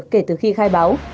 kể từ khi khai báo